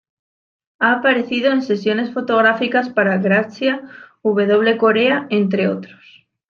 Ha aparecido en sesiones fotográficas para "Grazia", "W Korea", entre otros...